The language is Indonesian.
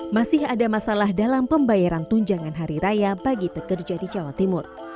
masih ada masalah dalam pembayaran tunjangan hari raya bagi pekerja di jawa timur